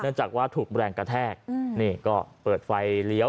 เนื่องจากว่าถูกแรงกระแทกอืมนี่ก็เปิดไฟเลี้ยว